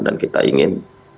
dan kita ingin